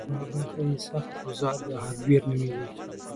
یوه برخه یې سخت اوزار یا هارډویر نومېږي